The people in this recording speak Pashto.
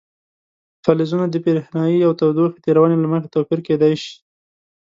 فلزونه د برېښنايي او تودوخې تیرونې له مخې توپیر کیدای شي.